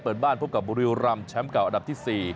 เปิดบ้านพบกับบุรีรำแชมป์เก่าอันดับที่๔